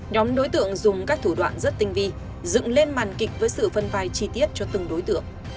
nhóm đối tượng dùng các thủ đoạn rất tinh vi dựng lên màn kịch với sự phân vai chi tiết cho từng đối tượng